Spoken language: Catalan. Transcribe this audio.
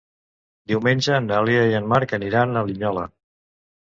Diumenge na Lea i en Marc aniran a Linyola.